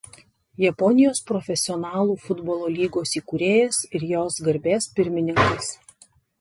Japonijos profesionalų futbolo lygos įkūrėjas ir jos garbės pirmininkas.